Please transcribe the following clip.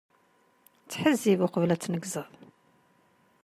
Ttḥezzib uqbel ad tneggzeḍ.